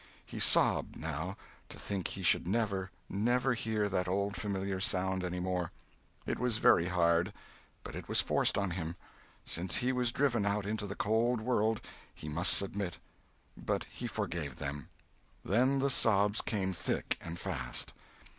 He sobbed, now, to think he should never, never hear that old familiar sound any more—it was very hard, but it was forced on him; since he was driven out into the cold world, he must submit—but he forgave them. Then the sobs came thick and fast.